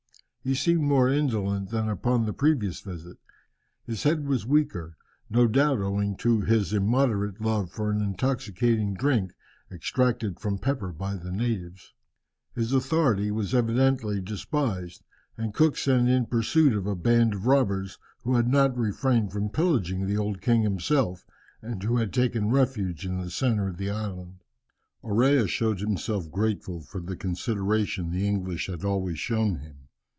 He seemed more indolent than upon the previous visit. His head was weaker, no doubt owing to his immoderate love for an intoxicating drink extracted from pepper by the natives. His authority was evidently despised, and Cook sent in pursuit of a band of robbers, who had not refrained from pillaging the old king himself, and who had taken refuge in the centre of the island. Orea showed himself grateful for the consideration the English had always shown him.